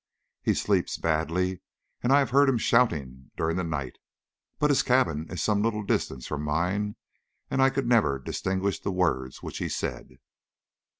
He sleeps badly, and I have heard him shouting during the night, but his cabin is some little distance from mine, and I could never distinguish the words which he said.